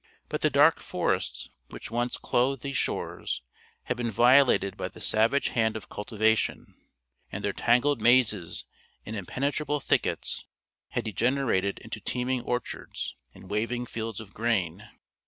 But the dark forests which once clothed those shores had been violated by the savage hand of cultivation, and their tangled mazes and impenetrable thickets had degenerated into teeming orchards, and waving fields of grain.